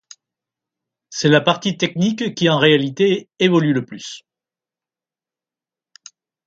C'est la partie technique qui, en réalité, évolue le plus.